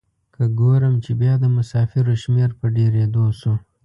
که ګورم چې بیا د مسافرو شمیر په ډیریدو شو.